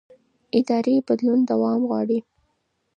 اداري بدلون دوام غواړي